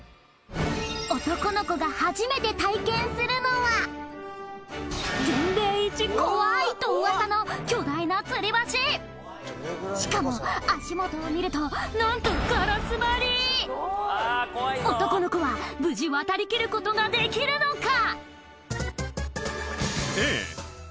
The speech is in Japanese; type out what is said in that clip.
男の子が初めて体験するのは全米一怖いと噂の巨大なつり橋しかも足元を見ると何とガラス張り男の子は無事渡りきることができるのか？